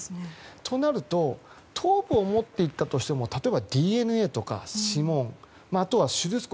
となると頭部を持って行ったとしても例えばＤＮＡとか指紋、あとは手術痕